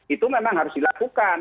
itu memang harus dilakukan